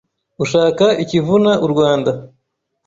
Ushaka ikivuna u Rwanda